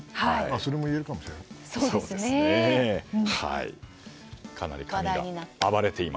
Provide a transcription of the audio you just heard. それもいえるかもしれない。